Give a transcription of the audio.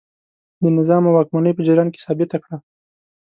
د نظام او واکمنۍ په جریان کې ثابته کړه.